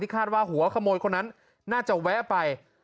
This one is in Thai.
คาดว่าหัวขโมยคนนั้นน่าจะแวะไป